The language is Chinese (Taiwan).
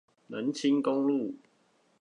南清公路